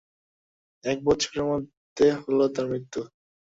এক বৎসরের মধ্যে হল তাঁর মৃত্যু।